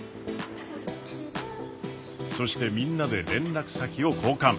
そしてみんなで連絡先を交換。